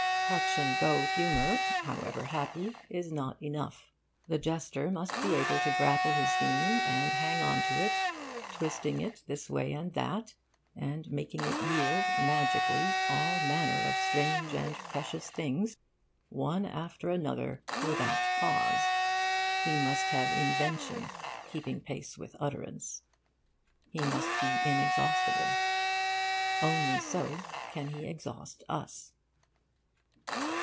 Touch and go humour, however happy, is not enough. The jester must be able to grapple his theme and hang on to it, twisting it this way and that, and making it yield magically all manner of strange and precious things, one after another, without pause. He must have invention keeping pace with utterance. He must be inexhaustible. Only so can he exhaust us.